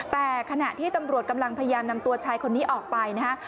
แต่ขณะที่ตำรวจกำลังพยายามนำตัวชายคนนี้ออกไปนะฮะ